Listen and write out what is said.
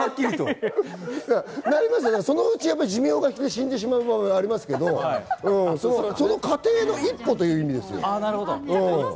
それがにゃん、にゃん、ご飯、ご飯！ってそのうち寿命が来て死んでしまう場合もありますけど、その過程の一歩という意味ですよ。